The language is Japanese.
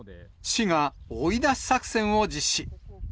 市が、追い出し作戦を実施。